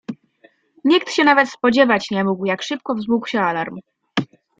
"Nikt się nawet spodziewać nie mógł, jak szybko wzmógł się alarm."